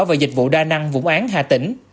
và dịch vụ đa năng vũng án hà tĩnh